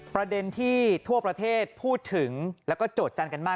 ประเด็นที่ทั่วประเทศพูดถึงแล้วก็โจทยันกันมาก